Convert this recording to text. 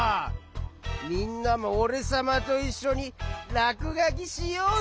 みんなもおれさまといっしょにらくがきしようぜ。